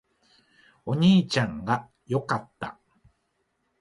お兄ちゃんが良かった